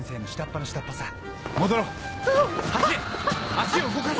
足を動かせ！